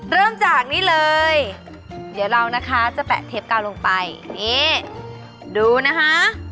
เริ่มจากนี่เลยเดี๋ยวเรานะคะจะแปะเทปกาวลงไปนี่ดูนะคะ